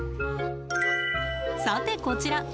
さてこちら。